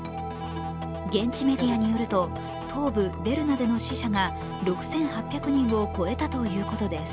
現地メディアによると東部デルナでの死者が６８００人を超えたということです。